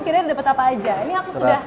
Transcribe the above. kiranya udah dapet apa aja